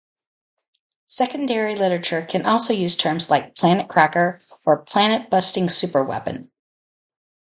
Secondary literature can also use terms like "planet-cracker" or "planet-busting superweapon".